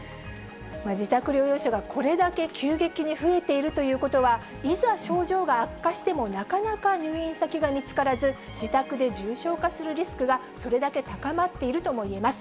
自宅療養者がこれだけ急激に増えているということは、いざ症状が悪化しても、なかなか入院先が見つからず、自宅で重症化するリスクがそれだけ高まっているともいえます。